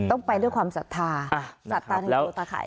ต้องไปด้วยความศรัทธาศรัทธาในตัวตาไข่